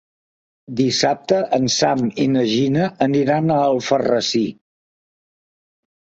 Dissabte en Sam i na Gina aniran a Alfarrasí.